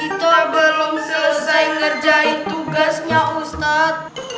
kita belum selesai ngerjain tugasnya ustadz